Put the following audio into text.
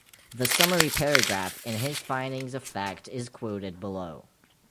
The summary paragraph in his findings of fact is quoted below.